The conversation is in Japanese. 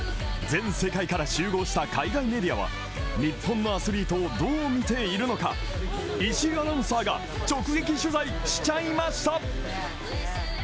全世界から集合した海外メディアは、日本のアスリートをどう見ているのか、石井アナウンサーが直撃取材しちゃいました！